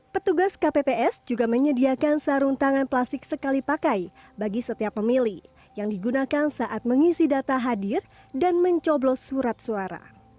petugas kpps juga menyediakan sarung tangan plastik sekali pakai bagi setiap pemilih yang digunakan saat mengisi data hadir dan mencoblos surat suara